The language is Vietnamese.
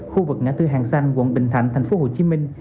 khu vực ngã tư hàng xanh quận bình thạnh tp hcm